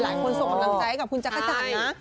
หลายคนส่งกำลังใจให้กับคุณจ๊ะจ๋านะ